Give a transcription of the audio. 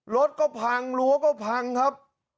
รถก็พังรั้วก็พังครับ